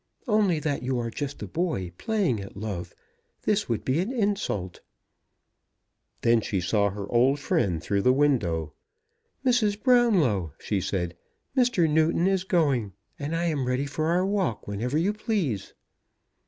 Only that you are just a boy playing at love, this would be an insult." Then she saw her old friend through the window. "Mrs. Brownlow," she said, "Mr. Newton is going, and I am ready for our walk whenever you please."